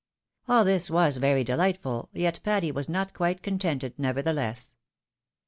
AU this was very dehghtful, yet Patty was not quite contented, nevertheless.